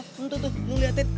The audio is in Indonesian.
tuh tuh tuh lo liatin